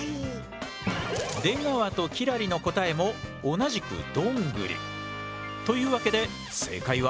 出川と輝星の答えも同じく「ドングリ」。というわけで正解は？